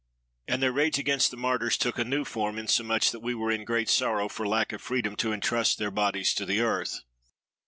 And their rage against the Martyrs took a new form, insomuch that we were in great sorrow for lack of freedom to entrust their bodies to the earth.